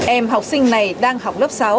em học sinh này đang học lớp sáu